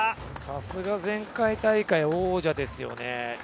さすが前回大会王者ですよね。